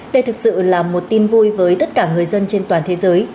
đây thực sự là một tin vui với tất cả người dân trên toàn thế giới